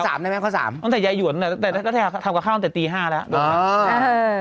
ข้อสามตั้งแต่ยายหวนแต่ทำกับข้าวตั้งแต่ตี๕แล้ว